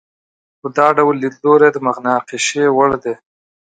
خو دا ډول لیدلوری د مناقشې وړ دی.